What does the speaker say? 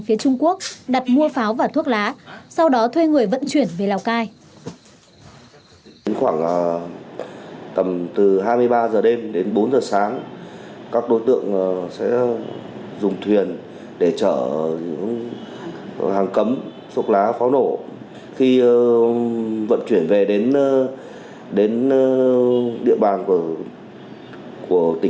phía trung quốc đặt mua pháo và thuốc lá sau đó thuê người vận chuyển về lào cai